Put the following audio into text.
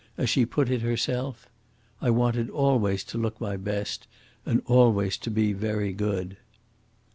As she put it herself: "I wanted always to look my best, and always to be very good."